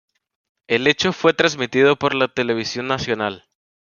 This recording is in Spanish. El hecho fue transmitido por la televisión nacional.